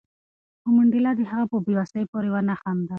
خو منډېلا د هغه په بې وسۍ پورې ونه خندل.